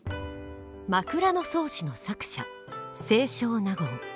「枕草子」の作者清少納言。